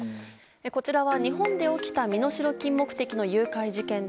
こちらは日本で起きた身代金目的の誘拐事件です。